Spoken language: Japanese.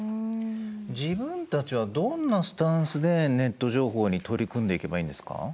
自分たちはどんなスタンスでネット情報に取り組んでいけばいいんですか？